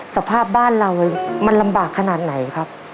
สภาพบ้านเรามันลำบากขนาดไหนครับ